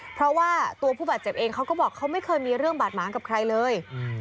เพราะว่าตัวผู้บาดเจ็บเองเขาก็บอกเขาไม่เคยมีเรื่องบาดหมางกับใครเลย